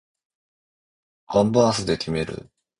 ワンバースで決める